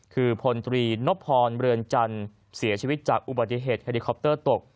คือพลตรีนพรเรือนจันทร์เสียชีวิตจากอุบัติเหตุเฮลิคอปเตอร์ตก